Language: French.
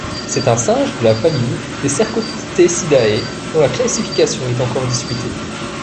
C’est un singe de la famille des Cercopithecidae dont la classification est encore discutée.